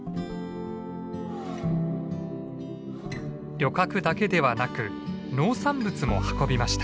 旅客だけではなく農産物も運びました。